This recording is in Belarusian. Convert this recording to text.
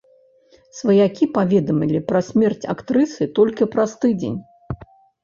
Сваякі паведамілі пра смерць актрысы толькі праз тыдзень.